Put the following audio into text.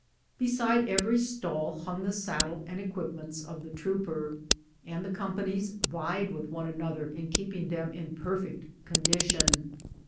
Beside every stall hung the saddle and equipments of the trooper, and the companies vied with one anoth er in keeping them in perfect condition.